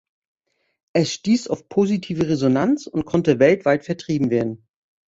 Es stieß auf positive Resonanz und konnte weltweit vertrieben werden.